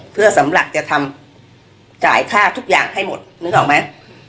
เพื่อสำหรับจะทำจ่ายค่าทุกอย่างให้หมดนึกออกไหม